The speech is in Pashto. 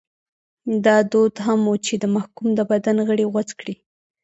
دا دود هم و چې د محکوم د بدن غړي غوڅ کړي.